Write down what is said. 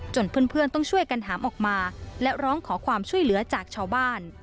เพื่อนต้องช่วยกันหามออกมาและร้องขอความช่วยเหลือจากชาวบ้าน